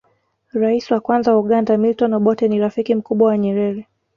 rais wa kwanza wa uganda milton obotte ni rafiki mkubwa wa nyerere